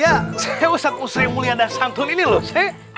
ya saya ustadz musreem mulia dan santun ini loh sih